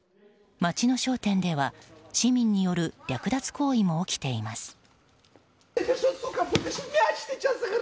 街の商店では市民による略奪行為も起きています。